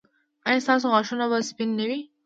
ایا ستاسو غاښونه به سپین نه وي؟